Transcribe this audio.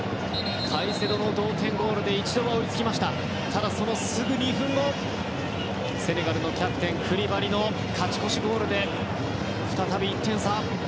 カイセドの同点ゴールで一度は追いつきましたがそのすぐ２分後セネガルのキャプテンクリバリの勝ち越しゴールで再び１点差。